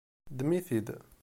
Ddem-it-id.